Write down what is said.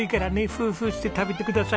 フーフーして食べてくださいね。